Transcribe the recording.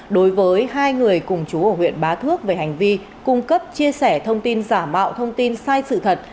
đối với hai người cùng chú ở huyện bá thước về hành vi cung cấp chia sẻ thông tin giả mạo thông tin sai sự thật